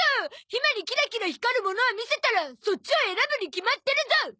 ひまにキラキラ光るものを見せたらそっちを選ぶに決まってるゾ！